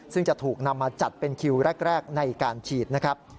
ซึ่งจะถูกนำมาจัดเป็นคิวแรกในการฉีดนะครับ